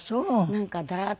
なんかダラーッとした。